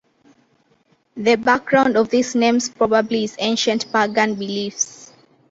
The background of these names probably is ancient pagan beliefs.